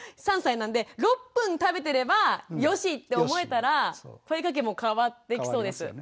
３歳なんで６分食べてればよしって思えたら声かけも変わってきそうです。